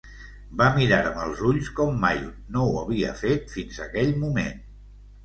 Va mirar-me als ulls com mai no ho havia fet fins a aquell moment...